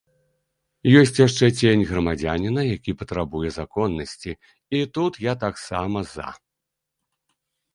Ёсць яшчэ цень грамадзяніна, які патрабуе законнасці, і тут я таксама за.